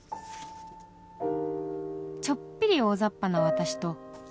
「ちょっぴり大雑把な私と」